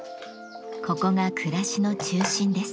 ここが暮らしの中心です。